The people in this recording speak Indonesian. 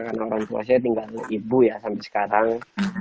karena orang tua saya tinggal ibu ya sampai sekarang